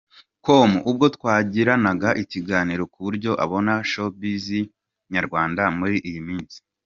com ubwo twagiranaga ikiganiro kuburyo abona showbiz nyarwanda muri iyi minsi.